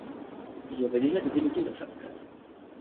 Il y avait déjà des délégués dans chaque classe.